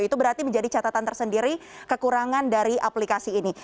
itu berarti menjadi catatan tersendiri kekurangan dari aplikasi ini